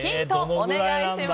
お願いします。